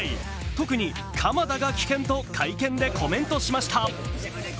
特に鎌田が危険と会見でコメントしました。